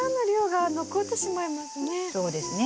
そうですね。